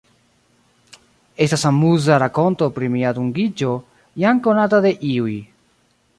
Estas amuza rakonto pri mia dungiĝo, jam konata de iuj.